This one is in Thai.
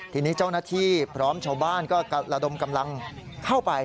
ทีนี้เจ้าหน้าที่พร้อมชาวบ้านก็ระดมกำลังเข้าไป